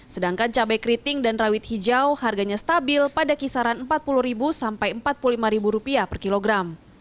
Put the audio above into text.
sedangkan cabai keriting dan rawit hijau harganya stabil pada kisaran empat puluh empat puluh lima ribu rupiah per kilogram